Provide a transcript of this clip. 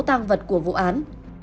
tăng vật của vụ án